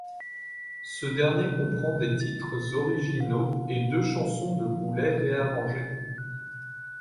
Ce dernier comprend des titres originaux et deux chansons de Goulet réarrangées.